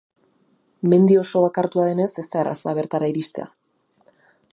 Mendi oso bakartua denez ez da erraza bertara iristea.